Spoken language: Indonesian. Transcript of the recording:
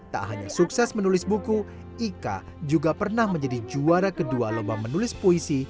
tak hanya sukses menulis buku ika juga pernah menjadi juara kedua lomba menulis puisi